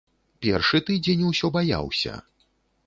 Першы тыдзень усё баяўся.